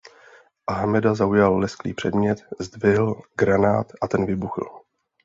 Ahmeda zaujal lesklý předmět, zdvihl granát, a ten vybuchl.